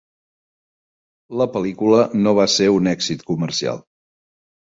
La pel·lícula no va ser un èxit comercial.